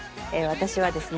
私はですね